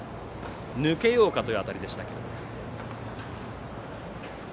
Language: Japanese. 抜けようかという当たりでしたが。